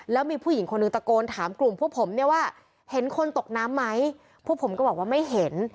แล้วมีผู้หญิงคนหนึ่งตะโกนถามกลุ่มพวกผมเนี่ยว่าเห็นคนตกน้ำไหมพวกผมก็บอกว่าไม่เห็น